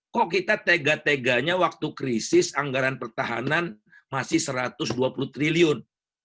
kok kita tega teganya waktu krisis anggaran pertahanan masih satu ratus dua puluh triliun